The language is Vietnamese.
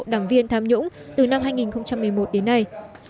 đảng viên tham nhũng từ năm hai nghìn một mươi một đến nay